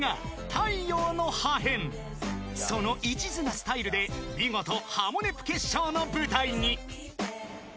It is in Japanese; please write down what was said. ［そのいちずなスタイルで見事『ハモネプ』決勝の舞台に］